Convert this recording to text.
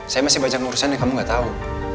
saya masih banyak urusan yang kamu gak tahu